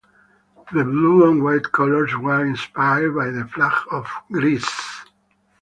The blue and white colors were inspired by the flag of Greece.